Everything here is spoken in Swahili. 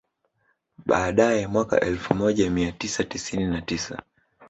Baadae mwaka elfu moja mia tisa tisini na tisa